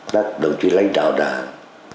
các đồng chí lãnh đạo đảng